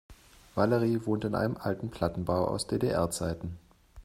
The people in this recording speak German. Valerie wohnt in einem alten Plattenbau aus DDR-Zeiten.